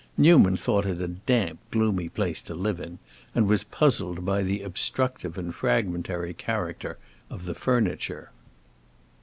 Newman thought it a damp, gloomy place to live in, and was puzzled by the obstructive and fragmentary character of the furniture.